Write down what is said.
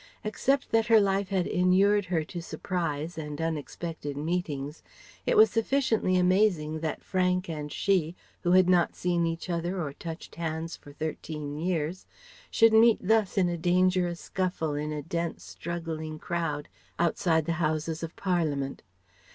Except that her life had inured her to surprises and unexpected meetings, it was sufficiently amazing that Frank and she, who had not seen each other or touched hands for thirteen years, should meet thus in a dangerous scuffle in a dense struggling crowd outside the Houses of Parliament.